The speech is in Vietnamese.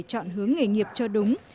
chọn hướng nghề nghiệp cho đúng